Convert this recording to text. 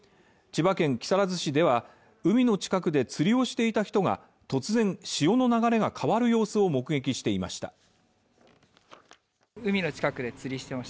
千葉県木更津市では海の近くで釣りをしていた人が突然、潮の流れが変わる様子を目撃していました。